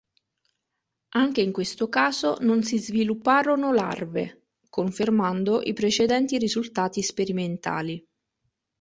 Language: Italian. Anche in questo caso non si svilupparono larve, confermando i precedenti risultati sperimentali.